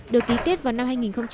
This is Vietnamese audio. được ký kết vào năm hai nghìn một mươi